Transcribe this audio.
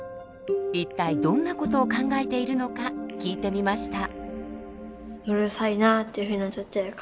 一体どんな事を考えているのか聞いてみました。